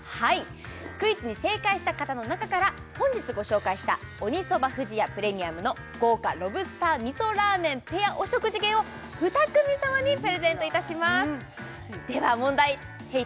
クイズに正解した方の中から本日ご紹介した鬼そば藤谷ＰＲＥＭＩＵＭの豪華ロブスター味噌らぁ麺ペアお食事券を２組様にプレゼントいたしますでは問題ＨＥＹ！